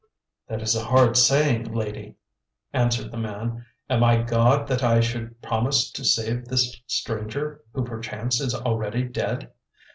"That is a hard saying, Lady," answered the man. "Am I God that I should promise to save this stranger who perchance is already dead?